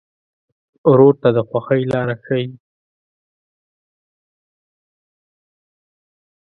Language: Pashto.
ورور ته د خوښۍ لاره ښيي.